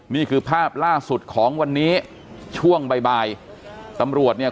นี่คือภาพล่าสุดของวันนี้ช่วงบ่ายบ่ายตำรวจเนี่ย